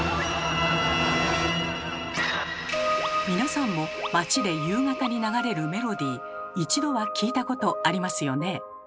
皆さんも街で夕方に流れるメロディー一度は聴いたことありますよね。